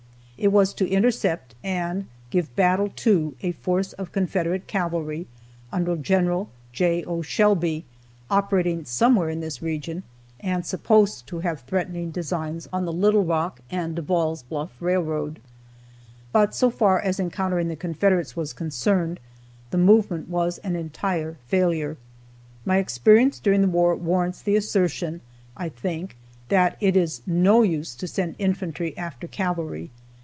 It was to intercept, and give battle to, a force of Confederate cavalry, under Gen. J. O. Shelby, operating somewhere in this region, and supposed to have threatening designs on the Little Rock and Devall's Bluff railroad. But so far as encountering the Confederates was concerned, the movement was an entire failure. My experience during the war warrants the assertion, I think, that it is no use to send infantry after cavalry.